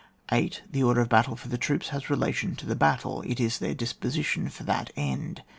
8. The order of battle for the troops has relation to the battle ; it is their dis position for that end.